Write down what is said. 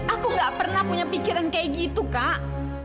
aku gak pernah punya pikiran kayak gitu kak